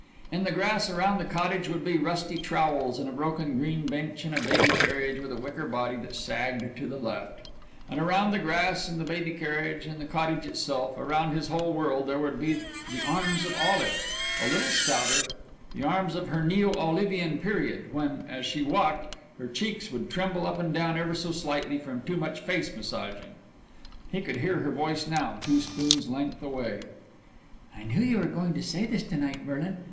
In the grass around the cottage would be rusty trowels and a broken green bench and a baby carriage with a wicker body that sagged to the left. And around the grass and the baby carriage and the cottage itself, around his whole world there would be the arms of Olive, a little stouter, the arms of her neo Olivian period, when, as she walked, her cheeks would tremble up and down ever so slightly from too much face massaging. He could hear her voice now, two spoons' length away: "I knew you were going to say this to night, Merlin.